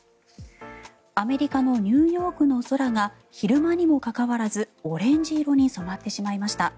アメリカのニューヨークの空が昼間にもかかわらずオレンジ色に染まってしまいました。